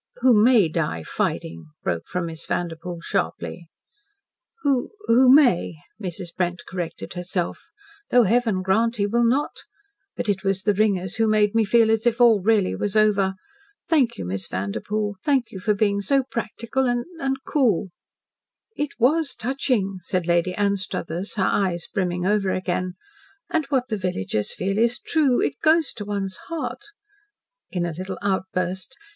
"Who MAY die fighting," broke from Miss Vanderpoel sharply. "Who who may " Mrs. Brent corrected herself, "though Heaven grant he will not. But it was the ringers who made me feel as if all really was over. Thank you, Miss Vanderpoel, thank you for being so practical and and cool." "It WAS touching," said Lady Anstruthers, her eyes brimming over again. "And what the villagers feel is true. It goes to one's heart," in a little outburst.